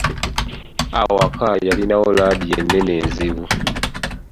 Awaka yalinawo laadiyo ennene enzibu.